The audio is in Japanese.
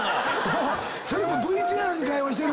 それもＶＴＲに会話してる。